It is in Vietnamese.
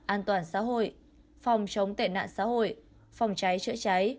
an toàn xã hội phòng chống tệ nạn xã hội phòng cháy chữa cháy